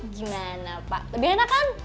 gimana pak lebih enak kan